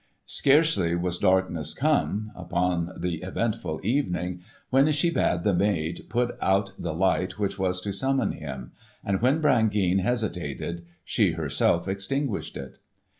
Scarcely was darkness come, upon the eventful evening, when she bade the maid put out the light which was to summon him; and when Brangeane hesitated, she herself extinguished it.